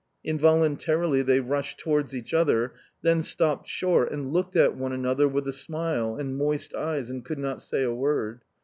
Involuntarily they rushed towards each other, then stopped short, and looked at one another with a smile and moist eyes, and could not say a word.